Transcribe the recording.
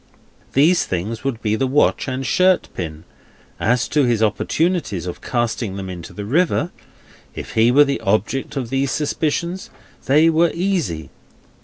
Those things would be the watch and shirt pin. As to his opportunities of casting them into the river; if he were the object of these suspicions, they were easy.